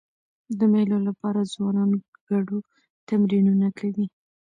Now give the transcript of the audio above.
د مېلو له پاره ځوانان ګډو تمرینونه کوي.